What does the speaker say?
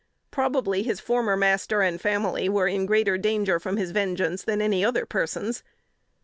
Probably his former master and family were in greater danger from his vengeance than any other persons.